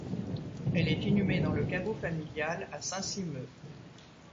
Elle est inhumée dans le caveau familial à Saint-Simeux.